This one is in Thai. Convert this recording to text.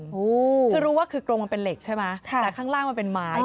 คือรู้ว่าคือกรงมันเป็นเหล็กใช่ไหมค่ะแต่ข้างล่างมันเป็นไม้